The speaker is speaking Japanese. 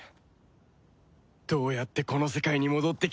どうやってこの世界に戻ってきやがった！？